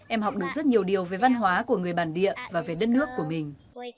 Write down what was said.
em học được rất nhiều điều về văn hóa của người bản địa và về đất nước của mình